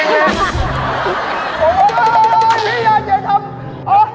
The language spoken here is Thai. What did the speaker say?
โอ้โฮพี่อย่าทำ